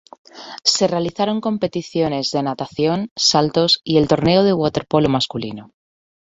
Se realizaron competiciones de natación, saltos y el torneo de waterpolo masculino.